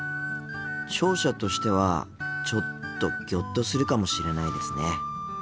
聴者としてはちょっとギョッとするかもしれないですね。